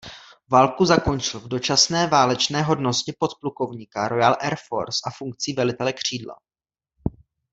Válku zakončil v dočasné válečné hodnosti podplukovníka Royal Air Force a funkci velitele křídla.